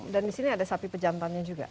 dan di sini ada sapi pejantannya juga